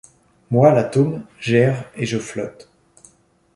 Moi l’atome, j’erre et je flotte.